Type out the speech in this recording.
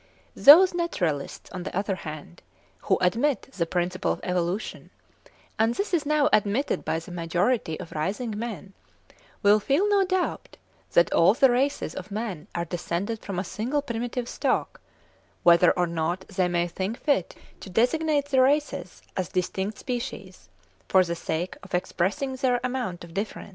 Those naturalists, on the other hand, who admit the principle of evolution, and this is now admitted by the majority of rising men, will feel no doubt that all the races of man are descended from a single primitive stock; whether or not they may think fit to designate the races as distinct species, for the sake of expressing their amount of difference.